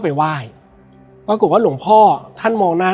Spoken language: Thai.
และวันนี้แขกรับเชิญที่จะมาเชิญที่เรา